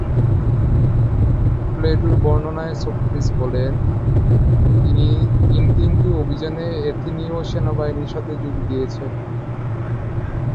প্লেটোর বর্ণনায় সক্রেটিস বলেন, তিনি তিন তিনটি অভিযানে এথেনীয় সেনাবাহিনীর সাথে যোগ দিয়েছেন।